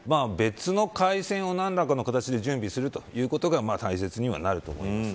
別の回線を何だかの形で準備するのが大切になると思います。